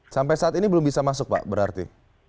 sampai saat ini belum bisa masuk pak berarti